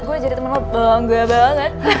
gue jadi temen lo bangga banget